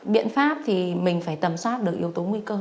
biện pháp thì mình phải tầm soát được yếu tố nguy cơ